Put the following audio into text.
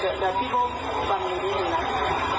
แต่เดี๋ยวพี่พ่อฟังหน่อยนิดหนึ่ง